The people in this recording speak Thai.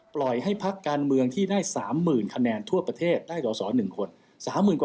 ปล่อยให้พักการเมืองที่ได้๓๐๐๐คะแนนทั่วประเทศได้สอสอ๑คน๓๐๐๐กว่า